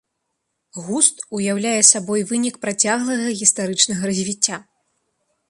Густ уяўляе сабой вынік працяглага гістарычнага развіцця.